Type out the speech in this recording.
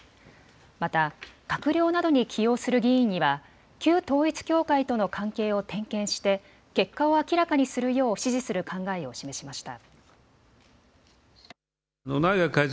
また閣僚などに起用する議員には旧統一教会との関係を点検して結果を明らかにするよう指示する考えを示しました。